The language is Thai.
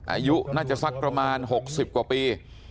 อายุน่าจะสักประมาณ๖๐กว่าปี